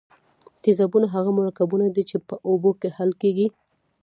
تیزابونه هغه مرکبونه دي چې په اوبو کې حل کیږي.